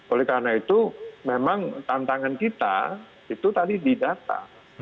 oleh karena itu memang tantangan kita itu tadi di data